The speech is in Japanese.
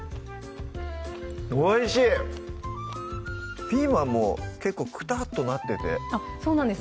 おいしいピーマンも結構くたっとなっててそうなんです